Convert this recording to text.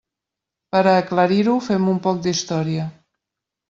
Per a aclarir-ho, fem un poc d'història.